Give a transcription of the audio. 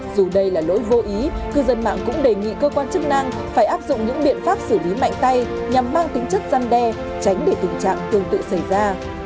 dù đây là lỗi vô ý cư dân mạng cũng đề nghị cơ quan chức năng phải áp dụng những biện pháp xử lý mạnh tay nhằm mang tính chất gian đe tránh để tình trạng tương tự xảy ra